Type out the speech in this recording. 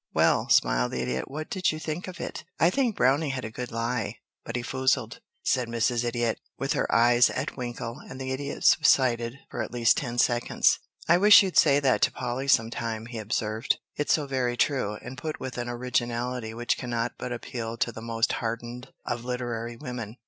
"Well," smiled the Idiot, "what did you think of it?" "I think Browning had a good lie, but he foozled," said Mrs. Idiot, with her eyes atwinkle, and the Idiot subsided for at least ten seconds. "I wish you'd say that to Polly some time," he observed. "It's so very true, and put with an originality which cannot but appeal to the most hardened of literary women."